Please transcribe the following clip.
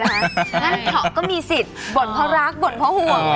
งั้นเขาก็มีสิทธิ์บ่นเพราะรักบ่นเพราะห่วง